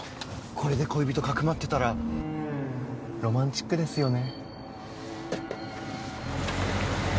これで恋人かくまってたらロマンチックですよね。